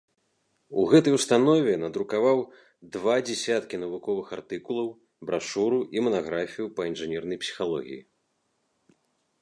У гэтай установе надрукаваў два дзясяткі навуковых артыкулаў, брашуру і манаграфію па інжынернай псіхалогіі.